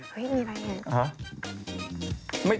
เฮ้ยมีรายงาน